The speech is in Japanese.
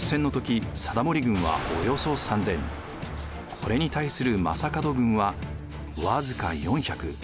これに対する将門軍は僅か４００。